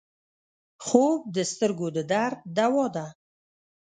خوب د سترګو د درد دوا ده